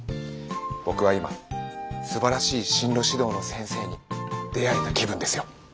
僕は今すばらしい進路指導の先生に出会えた気分ですよ。